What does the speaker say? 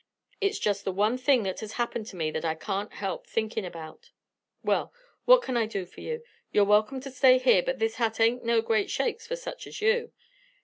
It's just the one thing that has happened to me that I can't help thinkin' about. Well, what kin I do for you? You're welcome to stay here, but this hut ain't no great shakes for such as you.